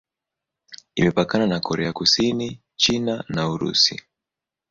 Imepakana na Korea Kusini, China na Urusi.